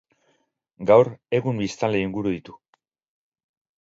Gaur egun biztanle inguru ditu.